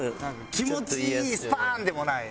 気持ちいいスパン！でもない。